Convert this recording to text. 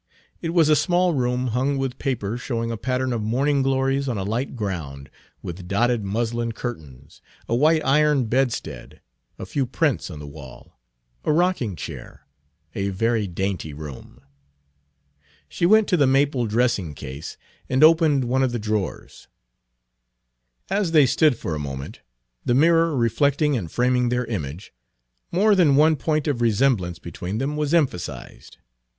It was a small room hung with paper showing a pattern of morning glories on a light ground, with dotted muslin curtains, a white iron bedstead, a few prints on the wall, a rocking chair a very dainty room. She went to the maple dressing case, and opened one of the drawers. As they stood for a moment, the mirror reflecting and framing their image, more than one point of resemblance between them was emphasized.